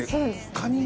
カニ。